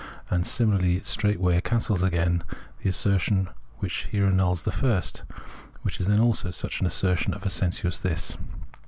And similarly it straightway cancels again the assertion which here annuls the first, and which is also just such an assertion of a sensuous This.